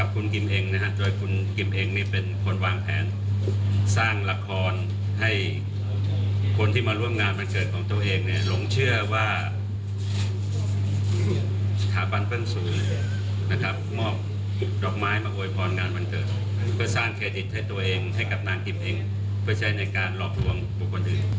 เพื่อสร้างเครดิตให้ตัวเองให้กับนางกิมเองเพื่อใช้ในการรอบรวมบุคคลอื่น